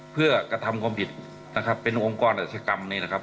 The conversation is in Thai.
เพื่อกระทำความผิดนะครับเป็นองค์กรอาชกรรมนี้นะครับ